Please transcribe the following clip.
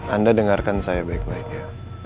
anda dengarkan saya baik baik ya